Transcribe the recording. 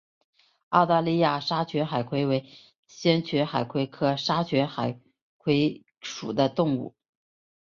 澳大利亚沙群海葵为鞘群海葵科沙群海葵属的动物。